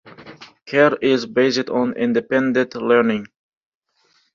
Kerr is based on independent learning.